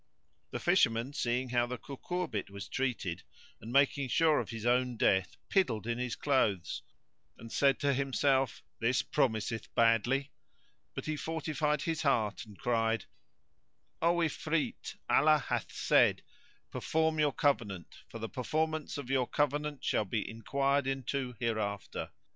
The Fisherman, seeing how the cucurbit was treated and making sure of his own death, piddled in his clothes and said to himself, "This promiseth badly;" but he fortified his heart, and cried, "O Ifrit, Allah hath said[FN#103]:—Perform your covenant; for the performance of your covenant shall be inquired into hereafter.